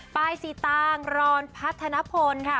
ป้ายสีตางรรพัฒนภนค่ะ